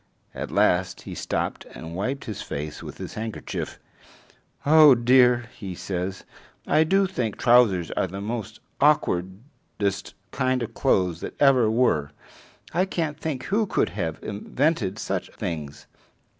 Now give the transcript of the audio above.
At last he stopped and wiped his face with his handkerchief. "Oh dear," he says, "I do think trousers are the most awkwardest kind of clothes that ever were. I can't think who could have invented such things.